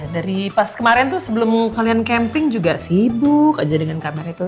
dari pas kemarin tuh sebelum kalian camping juga sibuk aja dengan kamera itu